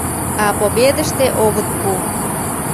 А «Победыште» огыт пу.